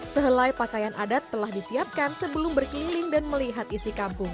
sehelai pakaian adat telah disiapkan sebelum berkeliling dan melihat isi kampung